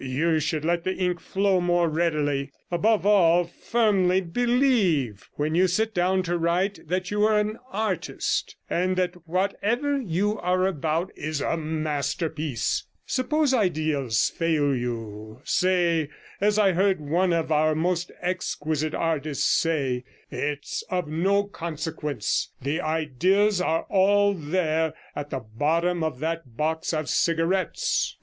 You should let the ink flow more readily. Above all, firmly believe, when you sit down to write, that you are an artist, and that whatever you are about is a masterpiece. Suppose ideas fail you, say, as I heard one of our most exquisite artists say, "It's of no consequence; the ideas are all there, at the bottom of that box of cigarettes!"